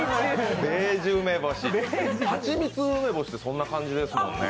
はちみつ梅干しってそんな感じですもんね。